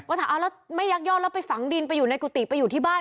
ถามเอาแล้วไม่ยักยอกแล้วไปฝังดินไปอยู่ในกุฏิไปอยู่ที่บ้าน